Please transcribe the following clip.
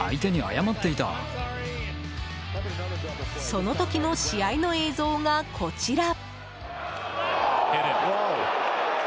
その時の試合の映像がこちら。